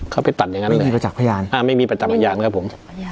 เขาไปตัดอย่างงั้นเลยเป็นใจพยานอ่ะไม่มีประจำอาญานะครับผม